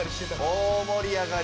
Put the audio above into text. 大もり上がり。